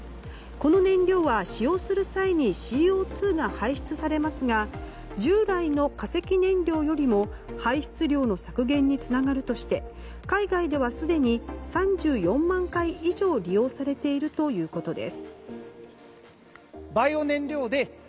この燃料は使用する際にＣＯ２が排出されますが従来の化石燃料よりも排出量の削減につながるとして海外ではすでに３４万回以上利用されているということです。